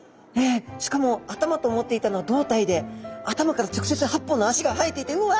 しかも頭と思っていたのは胴体で頭から直接８本の足が生えていてうわ！